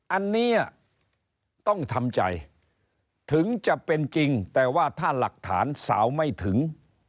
อันนี้ต้องทำใจถึงจะเป็นจริงแต่ว่าถ้าหลักฐานสาวไม่ถึง